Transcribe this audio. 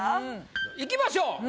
いきましょう。